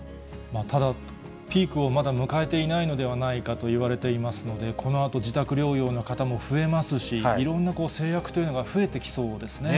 ただ、ピークをまだ迎えていないのでないかといわれていますので、このあと、自宅療養の方も増えますし、いろんな制約というのが増えてきそうですね。